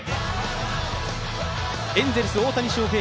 エンゼルス・大谷翔平